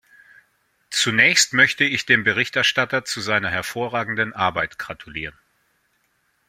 Zunächst möchte ich dem Berichterstatter zu seiner hervorragenden Arbeit gratulieren.